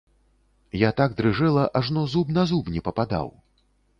Я так дрыжэла, ажно зуб на зуб не пападаў.